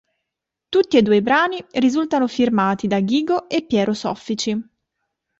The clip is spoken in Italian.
Tutti e due i brani risultano firmati da Ghigo e Piero Soffici.